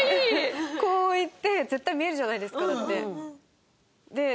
こういって絶対見えるじゃないですかだって。